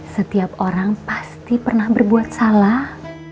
setiap orang pasti pernah berbuat salah